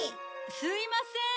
すいませーん！